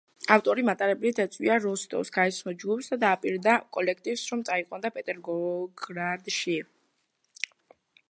ავტორი მატარებლით ეწვია როსტოვს, გაეცნო ჯგუფს და დაპირდა კოლექტივს, რომ წაიყვანდა პეტროგრადში.